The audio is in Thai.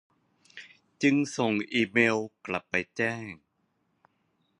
จึงส่งอีเมล์กลับไป แจ้ง